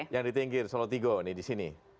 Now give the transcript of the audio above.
yang di tinggir solotigo nih disini